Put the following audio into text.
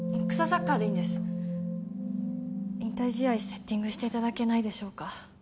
サッカーでいいんです引退試合セッティングしていただけないでしょうか